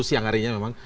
siang harinya memang